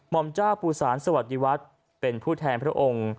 อมเจ้าปูสารสวัสดีวัฒน์เป็นผู้แทนพระองค์